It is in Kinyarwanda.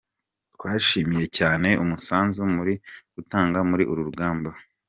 Twishimiye cyane umusanzu muri gutanga muri uru rugamba.”